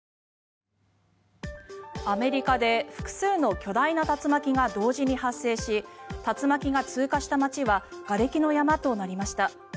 アメリカで複数の巨大な竜巻が同時に発生し竜巻が通過した街はがれきの山となりました。